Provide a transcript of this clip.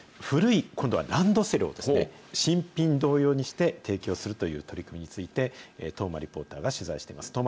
古い、今度はランドセルを新品同様にして提供するという取り組みについて、當摩リポーターが取材しています。